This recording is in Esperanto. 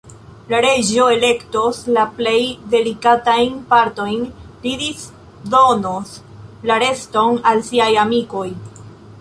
La Reĝo elektos la plej delikatajn partojn; li disdonos la reston al siaj amikoj.